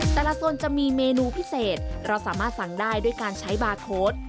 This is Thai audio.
โซนจะมีเมนูพิเศษเราสามารถสั่งได้ด้วยการใช้บาร์โค้ด